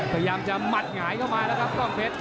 พยายามจะหมัดหงายเข้ามาแล้วครับกล้องเพชร